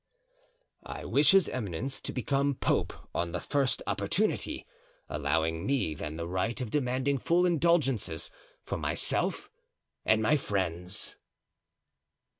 "I wish his eminence to become pope on the first opportunity, allowing me then the right of demanding full indulgences for myself and my friends."